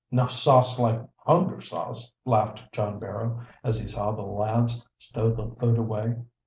"No sauce like hunger sauce," laughed John Barrow, as he saw the lads stow the food away.